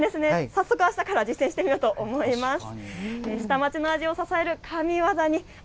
早速、あしたから実践してみようと思います。